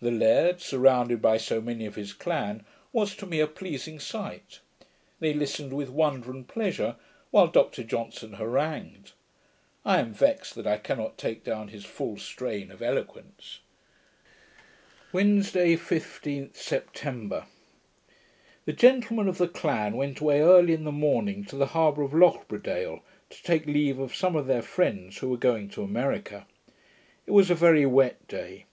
The laird, surrounded by so many of his clan, was to me a pleasing sight. They listened with wonder and pleasure, while Dr Johnson harangued. I am vexed that I cannot take down his full train of eloquence. Wednesday, 15th September The gentlemen of the clan went away early in the morning to the harbour of Lochbradale, to take leave of some of their friends who were going to America. It was a very wet day.